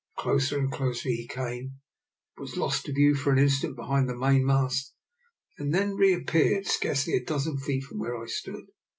Closer and closer he came, was lost to view for an instant behind the mainmast, and then reappeared scarcely a dozen feet from where I stood.